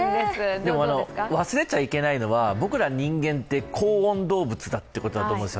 でも忘れちゃいけないのが僕ら人間って恒温動物ってことだと思うんです。